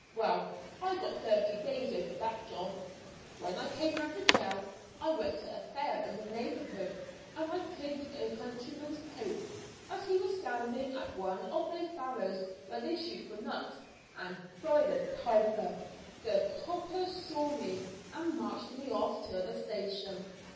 Well, I got thirty days over that job. When I came out of jail I went to a fair in the neighbourhood, and I prigged a countryman's 'poke' as he was standing at one of those barrows where they shoot for nuts; and, by the piper! the 'copper' saw me and marched me off to the station.